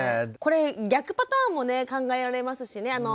これ逆パターンもね考えられますしね。